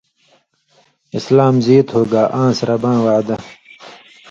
اسلام جیت ہوگا آنٚس رباں وعدہ